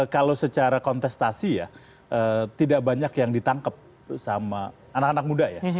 kalau secara kontestasi ya tidak banyak yang ditangkap sama anak anak muda ya